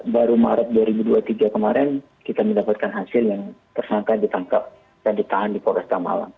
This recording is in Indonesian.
baru maret dua ribu dua puluh tiga kemarin kita mendapatkan hasil yang tersangka ditangkap dan ditahan di polresta malang